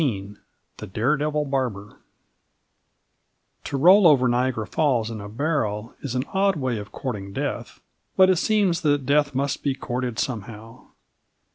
XIX THE DAREDEVIL BARBER To roll over Niagara Falls in a barrel is an odd way of courting death, but it seems that death must be courted somehow.